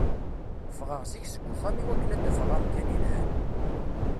Ffɣeɣ zik seg uxxam i wakken ad d-afeɣ amkan i yelhan.